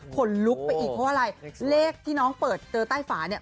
คนลุกไปอีกเพราะว่าอะไรเลขที่น้องเปิดเจอใต้ฝาเนี่ย